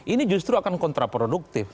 ini justru akan kontraproduktif